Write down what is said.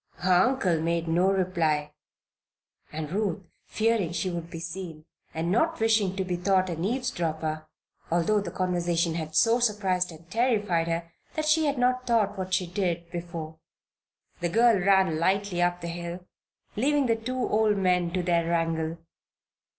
Her uncle made no reply, and Ruth, fearing she would be seen, and not wishing to be thought an eavesdropper (although the conversation had so surprised and terrified her that she had not thought what she did, before) the girl ran lightly up the hill, leaving the two old men to their wrangle.